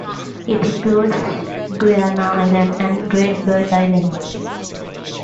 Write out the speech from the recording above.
It includes Guiana Island and Great Bird Island.